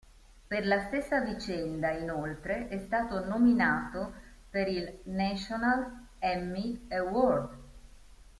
Per la stessa vicenda, inoltre, è stato nominato per il National Emmy Award.